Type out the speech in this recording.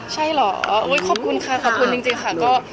ใช่เหรอขอบคุณค่ะขอบคุณจริงค่ะ